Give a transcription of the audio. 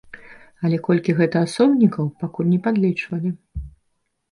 Але колькі гэта асобнікаў, пакуль не падлічвалі.